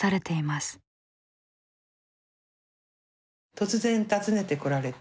突然訪ねて来られて。